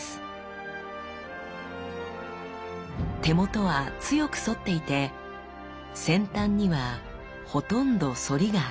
手元は強く反っていて先端にはほとんど反りがありません。